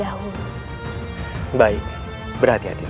walau anda berapa banyak mereka melahirkan